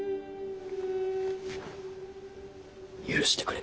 許してくれ。